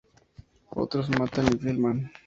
Otros matan y filman.